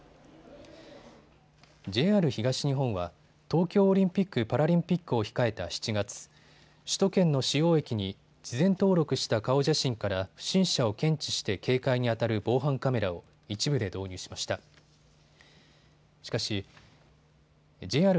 ＪＲ東日本は東京オリンピック・パラリンピックを控えた７月、首都圏の主要駅に事前登録した顔写真から不審者を検知して警戒にあたる防犯カメラを一部で導入しました。